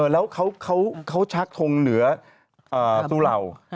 แล้วเขาชักทงเหนือสุราว